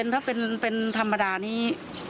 ถ้าเป็นธรรมดานี้